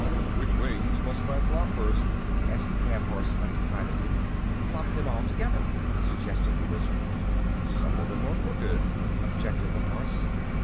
"Which wings must I flop first?" asked the cab horse, undecidedly. "Flop them all together," suggested the Wizard. "Some of them are crooked," objected the horse.